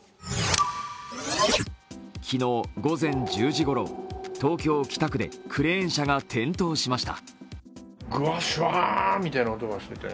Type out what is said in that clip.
昨日午前１０時ごろ東京・北区でクレーン車が転倒しました。